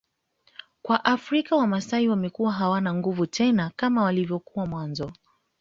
kwa Afrika wamasai wamekuwa hawana nguvu tena kama ilivyokuwa hapo mwanzo